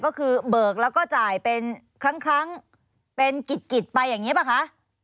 ก็คือเบิกแล้วก็จ่ายเป็นครั้งเป็นกิจไปอย่างนี้ป่ะคะ